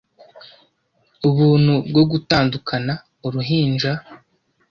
Ubuntu bwo gutandukana Uruhinja